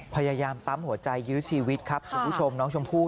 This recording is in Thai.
พยายามปั๊มหัวใจยื้อชีวิตครับคุณผู้ชมน้องชมพู่